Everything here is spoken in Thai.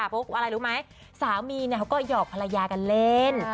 เพราะอะไรรู้ไหมสามีเขาก็หอกภรรยากันเล่น